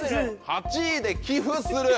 ８位で寄付する。